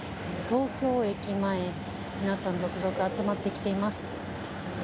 東京駅前、皆さん続々集まってきています。